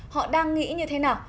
họ đang nghĩ như thế nào